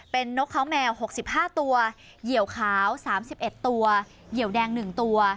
เป็นนกเขาแมว๖๕ตัวเหยียวขาว๓๑ตัวเหยียวแดง๑ตัว